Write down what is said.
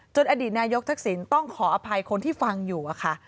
อดีตนายกทักษิณต้องขออภัยคนที่ฟังอยู่อะค่ะ